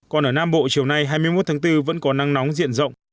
còn ở nam bộ chiều nay hai mươi một tháng bốn vẫn có nắng nóng diện rộng